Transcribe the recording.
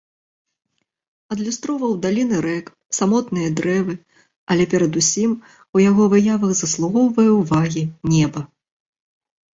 Адлюстроўваў даліны рэк, самотныя дрэвы, але перад усім у яго выявах заслугоўвае ўвагі неба.